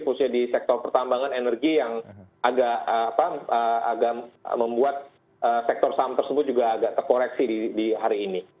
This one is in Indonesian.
khususnya di sektor pertambangan energi yang agak membuat sektor saham tersebut juga agak terkoreksi di hari ini